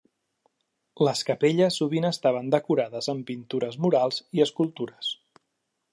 Les capelles sovint estaven decorades amb pintures murals i escultures.